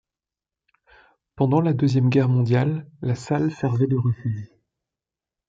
Pendant la Deuxième Guerre mondiale, la salle servait de refuge.